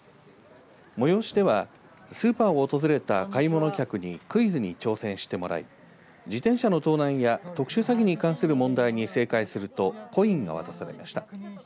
催しではスーパーを訪れた買い物客にクイズに挑戦してもらい自転車の盗難や特殊詐欺に関する問題に正解するとコインが渡されました。